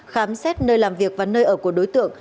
khám xét nơi làm việc và nơi ở của đối tượng